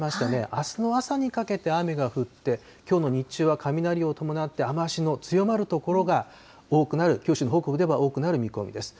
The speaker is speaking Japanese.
あすの朝にかけて雨が降って、きょうの日中は雷を伴って、雨足の強まる所が多くなる、九州の北部では多くなる見込みです。